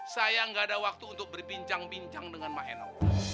saya tidak ada waktu untuk berbincang bincang dengan makno